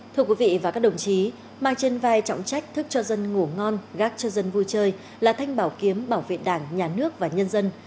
thưa quý vị và các đồng chí mang trên vai trọng trách thức cho dân ngủ ngon gác cho dân vui chơi là thanh bảo kiếm bảo vệ đảng nhà nước và nhân dân